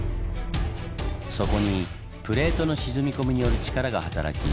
そこにプレートの沈み込みによる力が働き